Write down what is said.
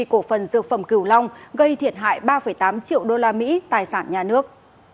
cổ phần dược phẩm cửu long gây thiệt hại ba tám triệu usd tài sản nhà nước